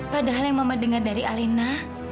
padahal yang mama dengar dari alina